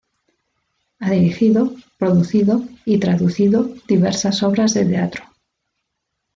Ha dirigido, producido y traducido diversas obras de teatro.